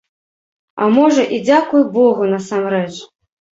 А можа, і дзякуй богу, насамрэч.